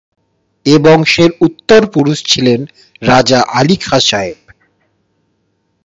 এ বংশের উত্তর পুরুষ ছিলেন রাজা আলী খাঁ সাহেব।